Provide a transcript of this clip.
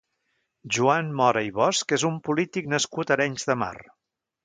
Joan Mora i Bosch és un polític nascut a Arenys de Mar.